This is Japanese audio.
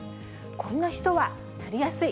こんな人はなりやすい。